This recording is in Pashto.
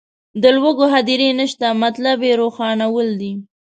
د لوږو هدیرې نشته مطلب یې روښانول دي.